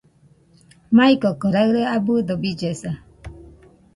Maikoko raɨre abɨdo billesa